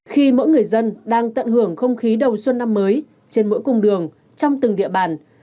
khi mỗi người dân đang tận hưởng không khí đầu xuân năm mới trên mỗi cung đường trong từng địa bàn